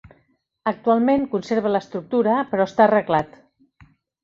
Actualment conserva l'estructura, però està arreglat.